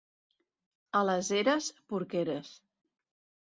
A les Eres, porqueres.